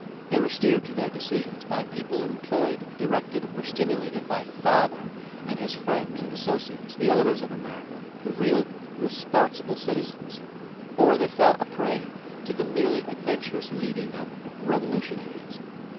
They were steered to their decisions by people employed, directed or stimulated by "father" and his friends and associates, the owners of America, the real "responsible citizens." Or they fell a prey to the merely adventurous leading of "revolutionaries."